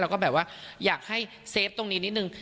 แล้วก็แบบว่าอยากให้เซฟตรงนี้นิดนึง